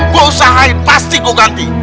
gua usahain pasti gua ganti